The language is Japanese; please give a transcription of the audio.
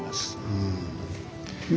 うん。